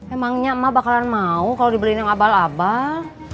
emangnya emak bakalan mau kalau dibeliin yang abal abal